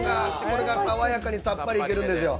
これが爽やかに、さっぱりいけるんですよ。